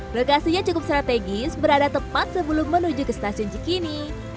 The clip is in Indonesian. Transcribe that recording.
lokasinya cukup strategis berada tepat sebelum menuju ke stasiun cikini